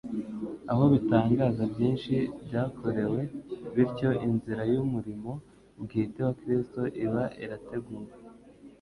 aho ibitangaza byinshi byakorewe; bityo inzira y'umurimo bwite wa Kristo iba irateguwe.